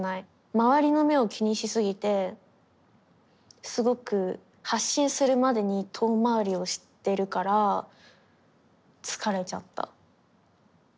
周りの目を気にし過ぎてすごく発信するまでに遠回りをしてるから疲れちゃった。